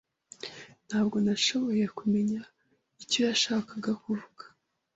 Ntabwo nashoboye kumenya icyo yashakaga kuvuga.